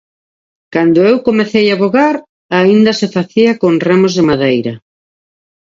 Cando eu comecei a vogar, aínda se facía con remos de madeira.